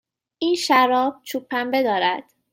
این شراب چوب پنبه دارد.